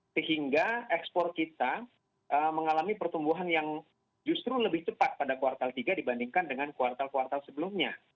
sehingga ekspor kita mengalami pertumbuhan yang justru lebih cepat pada kuartal tiga dibandingkan dengan kuartal kuartal sebelumnya